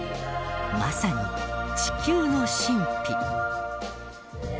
まさに地球の神秘。